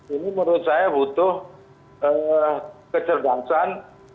ini menurut saya butuh kecerdasan